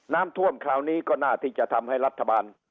น้ำท่วมคราวนี้ก็น่าที่จะทำให้รัฐบาล